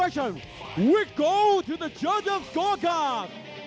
เราจะไปกับตัวจัดการ